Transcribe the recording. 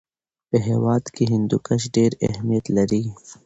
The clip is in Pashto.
په هېواد کې هندوکش ډېر اهمیت لري.